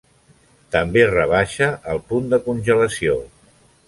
També rebaixa el punt de congelació.